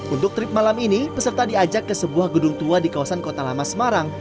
untuk trip malam ini peserta diajak ke sebuah gedung tua di kawasan kota lama semarang